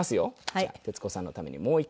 じゃあ徹子さんのためにもう一回。